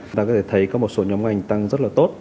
ta có thể thấy có một số nhóm ngành tăng rất là tốt